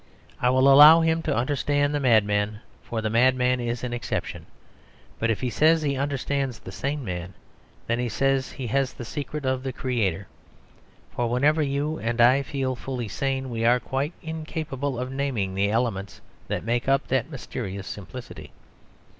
I will allow him to understand the madman, for the madman is an exception. But if he says he understands the sane man, then he says he has the secret of the Creator. For whenever you and I feel fully sane, we are quite incapable of naming the elements that make up that mysterious simplicity.